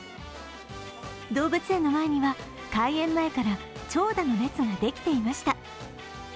動物園の前には、開園前から長蛇の列ができていました。